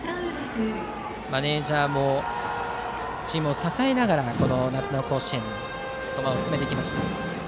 マネージャーもチームを支えながら夏の甲子園に駒を進めてきました。